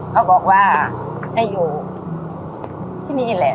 เขาบอกว่าให้อยู่ที่นี้ละ